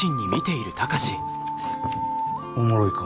おもろいか？